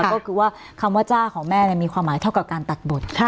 ก็คือว่าคำว่าจ้าของแม่มีความหมายเท่ากับการตัดบท